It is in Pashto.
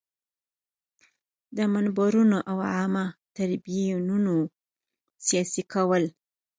د منبرونو او عامه تریبیونونو سیاسي کول.